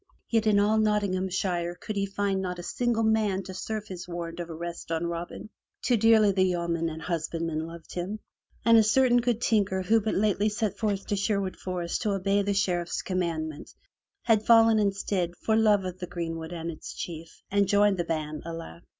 Yet in all Nottinghamshire could he find not a single man to serve his warrant of arrest on Robin. Too dearly the yeomen and hus bandmen loved him, and a certain good tinker who but lately set forth to Sherwood Forest to obey the Sheriff's commandment, had fallen, instead, for love of the greenwood and its chief, and joined the band, alack!